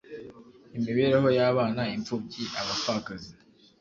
imibereho y abana impfubyi abapfakazi